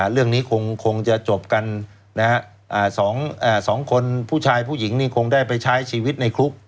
เรื่องนี้คงจะจบกัน๒คนผู้ชายผู้หญิงนี่คงได้ไปใช้ชีวิตในคุก